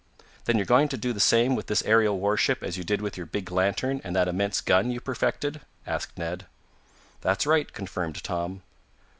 "Then you're going to do the same with this aerial warship as you did with your big lantern and that immense gun you perfected?" asked Ned. "That's right," confirmed Tom.